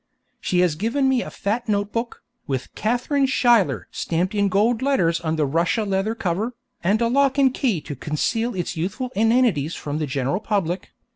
She has given me a fat note book, with 'Katharine Schuyler' stamped in gold letters on the Russia leather cover, and a lock and key to conceal its youthful inanities from the general public.